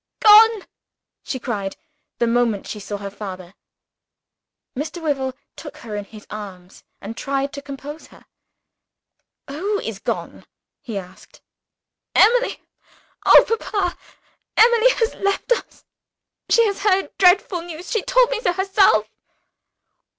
"Gone!" she cried, the moment she saw her father. Mr. Wyvil took her in his arms and tried to compose her. "Who has gone?" he asked. "Emily! Oh, papa, Emily has left us! She has heard dreadful news she told me so herself."